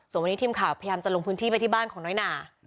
ส่วนวันนี้ทีมข่าวพยายามจะลงพื้นที่ไปที่บ้านของน้อยหนา